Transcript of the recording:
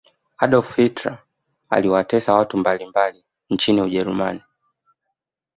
adolf hitler aliwateso watu mbalimbali nchini ujerumani